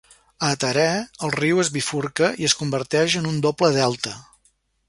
A Taree, el riu es bifurca i es converteix en un doble delta.